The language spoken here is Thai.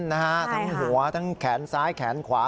ทั้งหัวทั้งแขนซ้ายแขนขวา